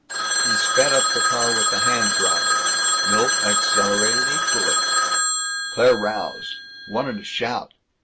He sped up the car with the hand throttle. Milt accelerated equally. Claire roused; wanted to shout.